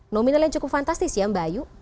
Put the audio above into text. nominal yang cukup fantastis ya mbak ayu